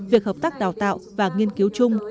việc hợp tác đào tạo và nghiên cứu chung